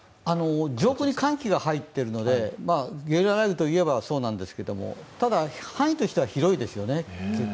上空に寒気が入っているのでゲリラ雷雨といえばそうなんですけれども、範囲としては結構広いですよね。